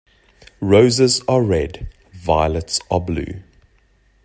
Roses are red, violets are blue.